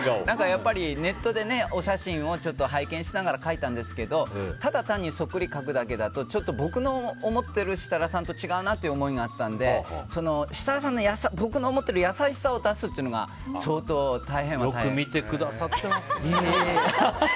やっぱり、ネットでお写真を拝見しながら描いたんですけどただ単にそっくり描くだけだと僕の思ってる設楽さんと違うなという思いがあったので設楽さんの僕の思っている優しさを出すというのがよく見てくださってますね。